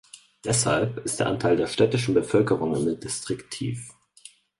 Deshalb ist der Anteil der städtischen Bevölkerung im Distrikt tief.